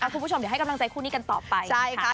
คุณผู้ชมเดี๋ยวให้กำลังใจคู่นี้กันต่อไป